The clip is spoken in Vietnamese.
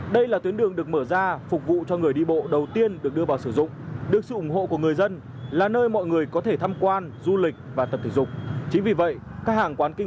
đó là robert moza không chỉ hỗ trợ trong các tiết học người bạn mới này còn mang thông điệp về sự nỗ lực